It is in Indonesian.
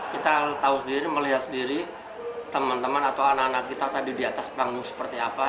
kita tahu sendiri melihat sendiri teman teman atau anak anak kita tadi di atas panggung seperti apa